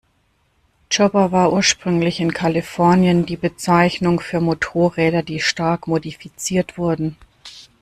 Chopper war ursprünglich in Kalifornien die Bezeichnung für Motorräder, die stark modifiziert wurden.